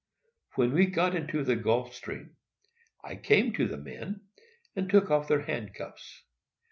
When we got into the Gulf Stream, I came to the men, and took off their handcuffs.